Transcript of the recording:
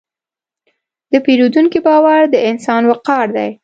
د پیرودونکي باور د انسان وقار دی.